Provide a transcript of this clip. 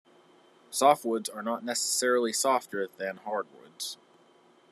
Softwoods are not necessarily softer than hardwoods.